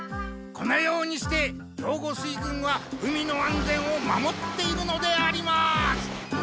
このようにして兵庫水軍は海の安全を守っているのであります！